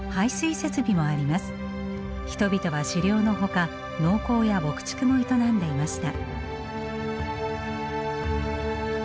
人々は狩猟のほか農耕や牧畜も営んでいました。